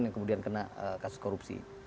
yang kemudian kena kasus korupsi